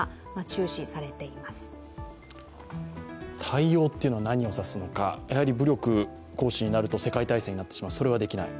対応というのは何を指すのか、武力行使になると世界大戦になってしまうそれはできない。